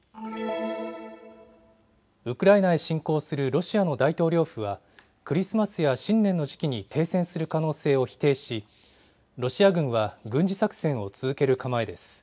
ウクライナへ侵攻するロシアの大統領府はクリスマスや新年の時期に停戦する可能性を否定し、ロシア軍は軍事作戦を続ける構えです。